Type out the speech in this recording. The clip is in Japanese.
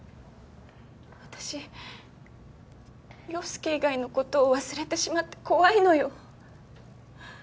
私陽佑以外の事を忘れてしまって怖いのよ。